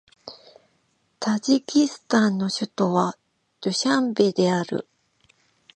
タジキスタンの首都はドゥシャンベである